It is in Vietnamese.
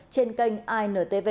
trên kênh intv